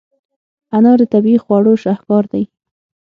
انار د طبیعي خواړو شاهکار دی.